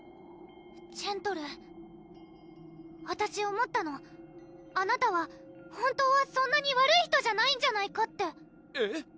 ジェントルーあたし思ったのあなたは本当はそんなに悪い人じゃないんじゃないかってえっ？